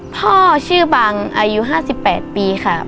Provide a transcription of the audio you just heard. พ่อชื่อบังอายุ๕๘ปีค่ะ